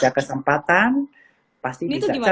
baca kesempatan pasti bisa